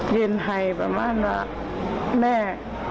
เย็นให้ประมาณว่าแม่